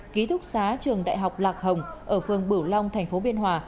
ký túc xá trường đại học lạc hồng ở phường bửu long thành phố biên hòa